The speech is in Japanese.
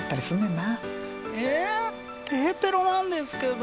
えっテヘペロなんですけど。